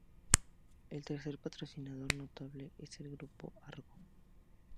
El tercer patrocinador notable es el Grupo Argo.